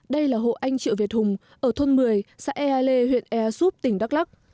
đây là hộ anh triệu việt hùng ở thôn một mươi xã ea lê huyện ea súp tỉnh đắk lắc